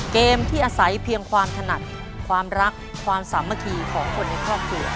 เกมที่อาศัยเพียงความถนัดความรักความสามัคคีของคนในครอบครัว